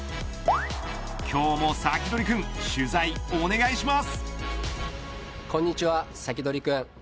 今日もサキドリくん取材、お願いします。